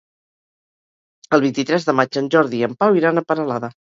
El vint-i-tres de maig en Jordi i en Pau iran a Peralada.